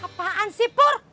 apaan sih pur